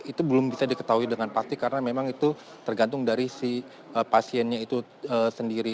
itu belum bisa diketahui dengan pasti karena memang itu tergantung dari si pasiennya itu sendiri